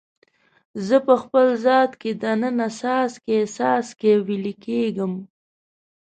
زه په خپل ذات کې د ننه څاڅکي، څاڅکي ویلي کیږم